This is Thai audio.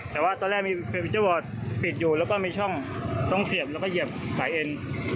แต่ว่าตอนแรกมีเฟอร์วิเจอร์วอร์ดปิดอยู่แล้วก็มีช่องต้องเสียบแล้วก็เหยียบสายเอ็น